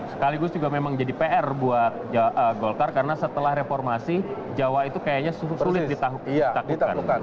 sekaligus juga memang jadi pr buat golkar karena setelah reformasi jawa itu kayaknya sulit ditakutkan